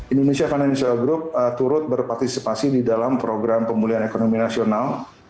indonesia financial group turut berpartisipasi di dalam program pemulihan ekonomi nasional